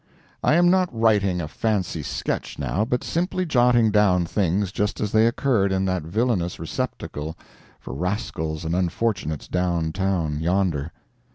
I am not writing a fancy sketch, now, but simply jotting down things just as they occurred in that villainous receptacle for rascals and unfortunates down town yonder.